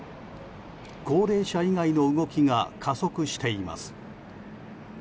高齢者以外の動きが加速しています。